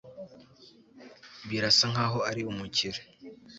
birasa nkaho ari umukire